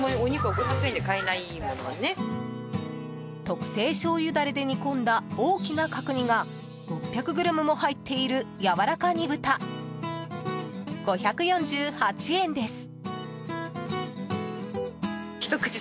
特製しょうゆダレで煮込んだ大きな角煮が６００ｇも入っているやわらか煮豚、５４８円です。